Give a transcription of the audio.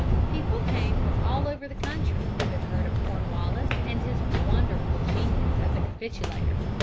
People came from all over the country who had heard of Cornwallis and his wonderful genius as a capitulator.